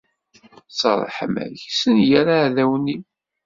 S ṛṛeḥma-k, ssenger iɛdawen-iw.